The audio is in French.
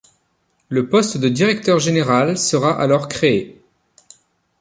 Le poste de directeur général sera alors créé.